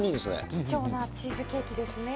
貴重なチーズケーキですね。